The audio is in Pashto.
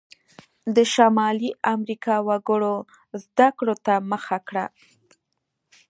د شمالي امریکا وګړو زده کړو ته مخه کړه.